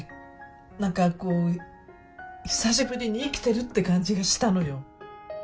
何かこう久しぶりに生きてるって感じがしたのよ。